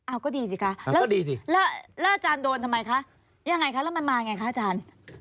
เอาก็ดีสิคะแล้วก็ดีสิแล้วอาจารย์โดนทำไมคะยังไงคะแล้วมันมาไงคะอาจารย์